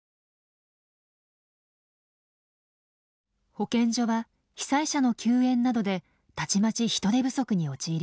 保健所は被災者の救援などでたちまち人手不足に陥りました。